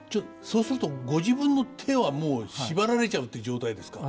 そうするとご自分の手はもう縛られちゃうって状態ですか？